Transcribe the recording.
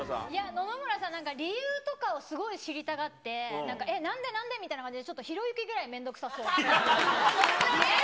野々村さんは理由とかをすごい知りたがって、なんか、えっ、なんで、なんでぐらい、ちょっとひろゆきくらい面倒くさそう。